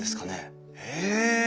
へえ。